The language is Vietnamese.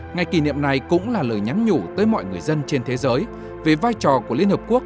ngày kỷ niệm này cũng là lời nhắn nhủ tới mọi người dân trên thế giới về vai trò của liên hợp quốc